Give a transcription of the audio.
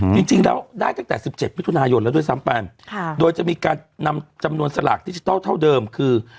จริงแล้วได้ตั้งแต่สิบเจ็ดมิถุนายนแล้วด้วยซ้ำไปค่ะโดยจะมีการนำจำนวนสลากดิจิทัลเท่าเดิมคือ